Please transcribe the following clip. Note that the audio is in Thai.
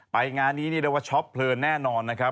งานนี้เรียกได้ว่าช็อปเพลินแน่นอนนะครับ